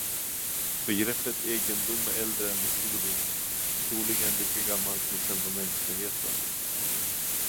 Begreppet egendom är äldre än historien, troligen lika gammalt som själva mänskligheten.